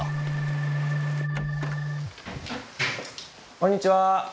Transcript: こんにちは。